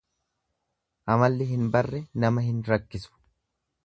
Amalli hin barre nama hin rakkisu.